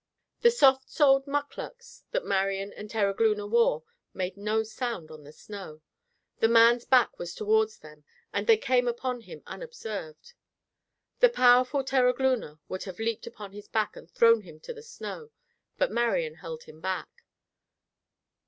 The soft soled "muck lucks" that Marian and Terogloona wore made no sound on the snow. The man's back was toward them and they came upon him unobserved. The powerful Terogloona would have leaped upon his back and thrown him to the snow, but Marian held him back.